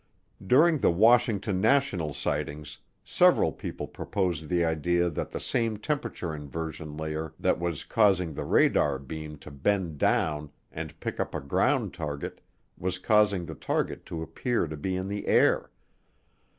During the Washington National Sightings several people proposed the idea that the same temperature inversion layer that was causing the radar beam to bend down and pick up a ground target was causing the target to appear to be in the air.